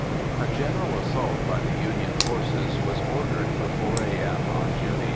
_] A general assault by the Union forces was ordered for 4 a.m. on June 18.